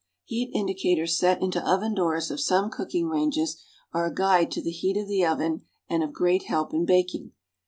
Heat indicators set into oven doors of some cooking ranges are a guide to the heat of the oven and of great help in baking.